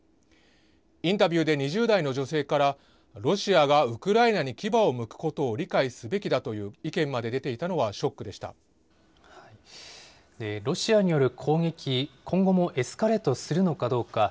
インタビューで２０代の女性から、ロシアがウクライナに牙をむくことを理解すべきだという意見までロシアによる攻撃、今後もエスカレートするのかどうか。